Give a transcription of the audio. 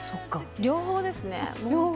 両方ですね。